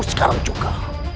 aku sekarang juga